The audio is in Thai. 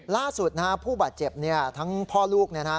ล่าสุดนะฮะผู้บาดเจ็บเนี่ยทั้งพ่อลูกเนี่ยนะฮะ